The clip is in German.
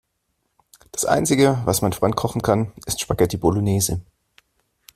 Das Einzige, was mein Freund kochen kann, ist Spaghetti Bolognese.